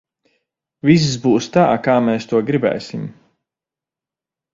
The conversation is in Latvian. Viss būs tā, kā mēs to gribēsim!